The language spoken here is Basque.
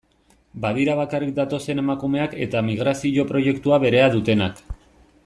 Badira bakarrik datozen emakumeak eta migrazio proiektua berea dutenak.